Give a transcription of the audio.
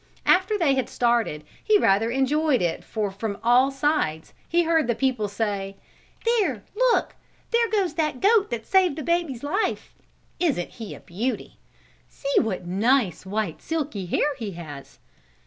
After they had started he rather enjoyed it for from all sides he heard the people say: "There, look! There goes the goat that saved the baby's life." "Isn't he a beauty?" "See what nice, white, silky hair he has!"